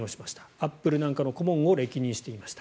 アップルなんかの顧問を歴任していました。